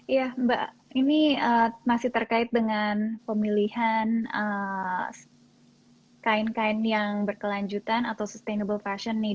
ya mbak ini masih terkait dengan pemilihan kain kain yang berkelanjutan atau sustainable fashion nih